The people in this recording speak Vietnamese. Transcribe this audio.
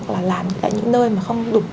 hoặc là làm tại những nơi mà không đủ